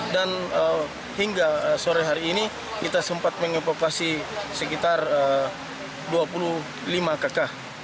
dan hingga sore hari ini kita sempat mengevakuasi sekitar dua puluh lima kakak